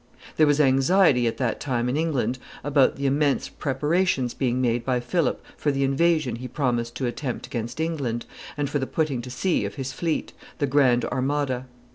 There was anxiety at that time in England about the immense preparations being made by Philip for the invasion he proposed to attempt against England, and for the putting to sea of his fleet, the Grand Armada.